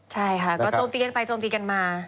ใช่ค่ะก็โจมตีกันไปโจมตีกันมา